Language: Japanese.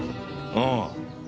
ああ。